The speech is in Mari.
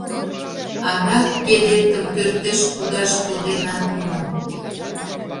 — Адак кедетым пӧртеш кудаш коденат мо?